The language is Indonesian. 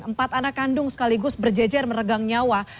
empat anak kandung sekaligus berjejer meregang nyawa